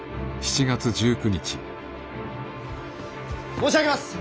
申し上げます！